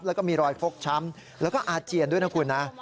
แล้วก็มีรอยฟกช้ำแล้วก็อาเจียนด้วยนะคุณนะ